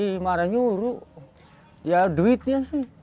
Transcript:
itu memang berarti duitnya